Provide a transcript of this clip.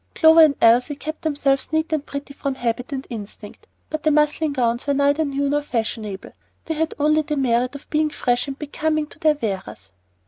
Clover and Elsie kept themselves neat and pretty from habit and instinct, but the muslin gowns were neither new nor fashionable, they had only the merit of being fresh and becoming to their wearers.